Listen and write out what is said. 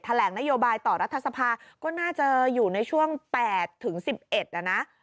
แหลงนโยบายต่อรัฐสภาก็น่าจะอยู่ในช่วง๘ถึง๑๑นะนะ